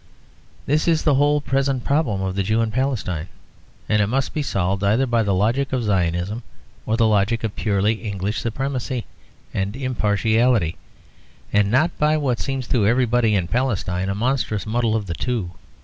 This is the whole present problem of the Jew in Palestine; and it must be solved either by the logic of Zionism or the logic of purely English supremacy and, impartiality; and not by what seems to everybody in Palestine a monstrous muddle of the two.